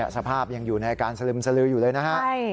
สภาพยังอยู่ในอาการสลึมสลืออยู่เลยนะฮะ